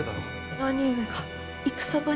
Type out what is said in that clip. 兄上が戦場に。